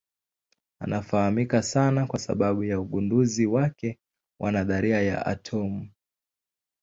Anafahamika sana kwa sababu ya ugunduzi wake wa nadharia ya atomu.